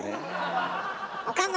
岡村